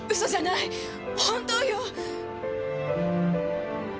本当よ！